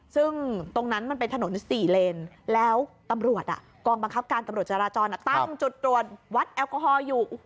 ซึ่งตรงนั้นมันเป็นถนน๔นี่แล้วแล้วตำรวจกร